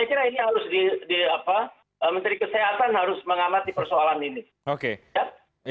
saya kira ini harus di menteri kesehatan harus mengamati persoalan ini